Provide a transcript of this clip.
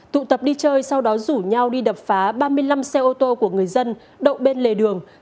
tụ tập đi chơi sau đó rủ nhau đi đập phá ba mươi năm xe ô tô của người dân đậu bên lề đường